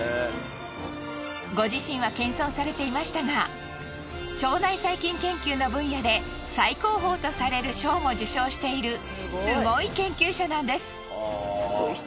ご自身は謙遜されていましたが腸内細菌研究の分野で最高峰とされる賞も受賞しているすごい研究者なんです。